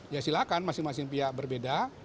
ya silahkan masing masing pihak berbeda